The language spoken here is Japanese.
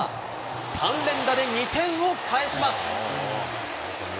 ３連打で２点を返します。